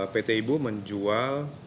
pt ibu menjual